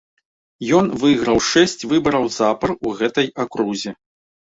Ён выйграў шэсць выбараў запар у гэтай акрузе.